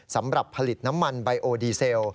สำหรับผลิตน้ำมันไบโอดีเซล